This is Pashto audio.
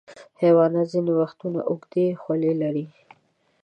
حیوانات ځینې وختونه اوږدې خولۍ لري.